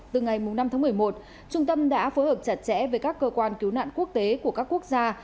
từ ngày năm tháng một mươi một trung tâm đã phối hợp chặt chẽ với các cơ quan cứu nạn quốc tế của các quốc gia